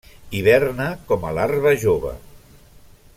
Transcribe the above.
Hiberna com a larva jove.